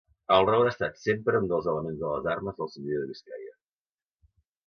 El roure ha estat sempre un dels elements de les armes del Senyoriu de Biscaia.